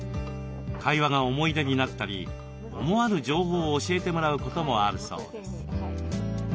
会話が思い出になったり思わぬ情報を教えてもらうこともあるそうです。